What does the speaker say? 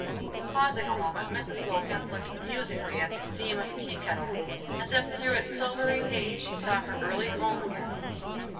Pausing a moment, Mrs. Wilkins looked musingly at the steam of the tea kettle, as if through its silvery haze she saw her early home again.